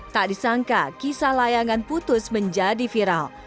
tak disangka kisah layangan putus menjadi viral